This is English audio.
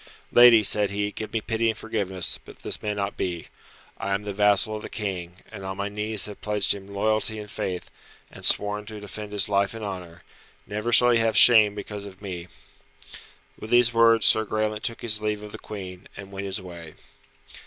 "Lady," said he, "give me pity and forgiveness, but this may not be. I am the vassal of the King, and on my knees have pledged him loyalty and faith, and sworn to defend his life and honour. Never shall he have shame because of me." With these words Sir Graelent took his leave of the Queen, and went his way.